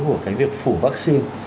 của cái việc phủ vaccine